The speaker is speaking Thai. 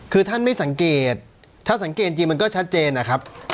คือท่านไม่สังเกตถ้าสังเกตจริงมันก็ชัดเจนนะครับ